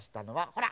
ほら！